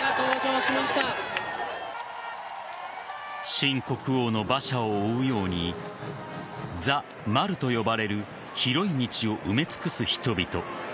新国王の馬車を追うようにザ・マルと呼ばれる広い道を埋め尽くす人々。